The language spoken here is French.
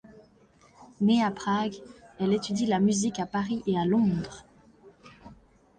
Née à Prague elle étudie la musique à Paris et à Londres.